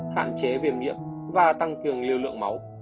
hạn chế viêm nhiễm và tăng cường lưu lượng máu